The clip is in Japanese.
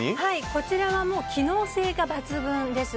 こちらは機能性が抜群です。